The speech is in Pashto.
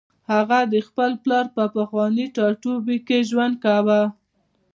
هغه د خپل پلار په پخواني ټاټوبي کې ژوند کاوه